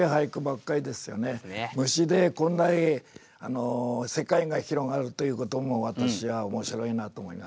「虫」でこんなに世界が広がるということも私はおもしろいなと思いました。